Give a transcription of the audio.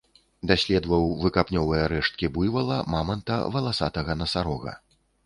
Даследаваў выкапнёвыя рэшткі буйвала, маманта, валасатага насарога.